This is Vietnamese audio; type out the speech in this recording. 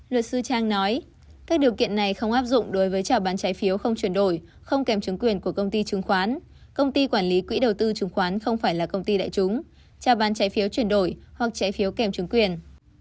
luật sư trang nói các điều kiện này không áp dụng đối với trào bán trái phiếu không chuyển đổi không kèm chứng quyền của công ty chứng khoán công ty quản lý quỹ đầu tư chứng khoán không phải là công ty đại chúng trào bán trái phiếu chuyển đổi hoặc trái phiếu kèm chứng quyền